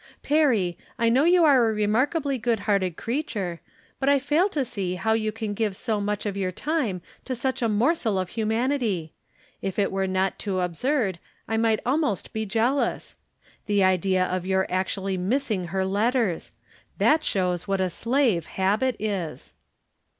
84 From Different Standpoints. Perry, I know you are a remarkably good hearted creature, but I fail to see how you can giTe so much of your time to such a morsel of humanity. If it were not too absurd I might al most be jealous ! The idea of your actually mis sing her letters ! That shows what a slave habit is.